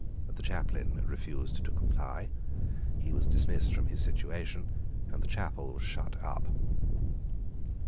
The chaplain refused to comply: he was dismissed from his situation; and the chapel was shut up.